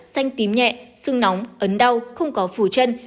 xanh tím nhẹ xương nóng ấn đau không có phủ chân